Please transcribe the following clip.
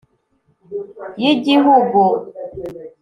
y’Igihugu.